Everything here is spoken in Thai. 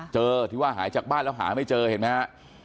เจอที่ว่าหายจากบ้านแล้วหาไม่เจอเห็นไหมฮะ